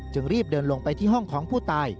รีบเดินลงไปที่ห้องของผู้ตาย